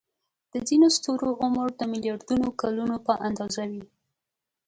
د ځینو ستورو عمر د ملیاردونو کلونو په اندازه وي.